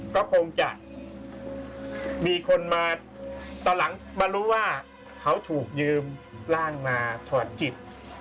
ก็คงจะมีคนมาตอนหลังมารู้ว่าเขาถูกยืมร่างมาถอดจิต